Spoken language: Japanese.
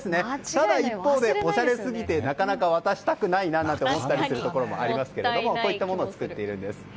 ただ、一方でおしゃれすぎてなかなか渡したくないななんて思ったりするところもありますがこういったものを作っているんです。